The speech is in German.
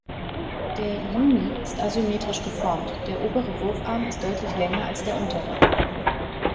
Der "Yumi" ist asymmetrisch geformt, der obere Wurfarm ist deutlich länger als der untere.